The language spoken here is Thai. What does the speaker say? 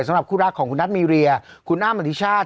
สำหรับคู่รักของคุณนัทมีเรียคุณอ้ำอธิชาติ